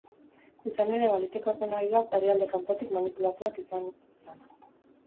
Izan ere, baliteke ordenagailuak herrialde kanpotik manipulatuak izan izana.